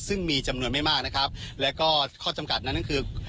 ซึ่งมีจำนวนไม่มากนะครับแล้วก็ข้อจำกัดนั้นก็คือ